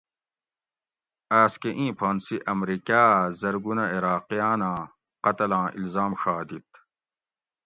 آس کہ اِیں پھانسی امریکا ھہ زرگونہ عراقیاںاں قتلاں الزام ڛا دِت